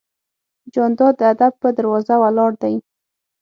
جانداد د ادب په دروازه ولاړ دی.